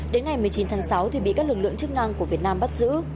đến ngày một mươi chín tháng sáu thì bị các lực lượng chức năng của việt nam bắt giữ